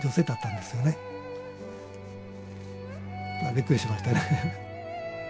びっくりしましたね。